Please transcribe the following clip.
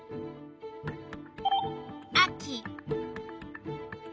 秋。